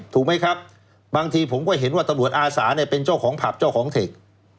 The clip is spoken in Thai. ถูกไหมครับบางทีผมก็เห็นว่าตำรวจอาสาเนี่ยเป็นเจ้าของผับเจ้าของเทค